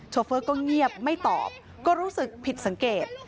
เฟอร์ก็เงียบไม่ตอบก็รู้สึกผิดสังเกต